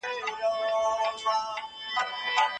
دا علوم به د انسان راتلونکی روښانه کړي.